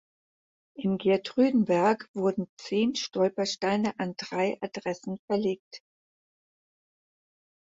In Geertruidenberg wurden zehn Stolpersteine an drei Adressen verlegt.